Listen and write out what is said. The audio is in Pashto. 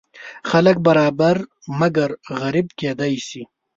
خلک برابر مګر غریب کیدی شي.